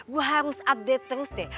gue harus update terus deh